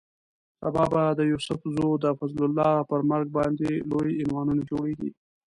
سبا به د یوسف زو د فضل الله پر مرګ باندې لوی عنوانونه جوړېږي.